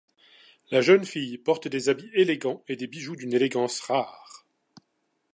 La jeune fille porte des habits élégants et des bijoux d'une élégance rare.